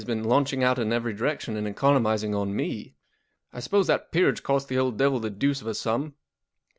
since he married he's been launching out in every direction and economizing on me. I suppose that peerage cost the old devil the deuce of a sum.